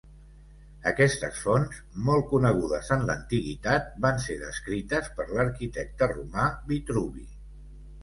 Aquestes fonts, molt conegudes en l'antiguitat, van ser descrites per l'arquitecte romà Vitruvi.